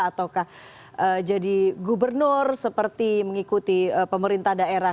ataukah jadi gubernur seperti mengikuti pemerintah daerah